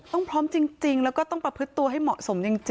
พร้อมจริงแล้วก็ต้องประพฤติตัวให้เหมาะสมจริง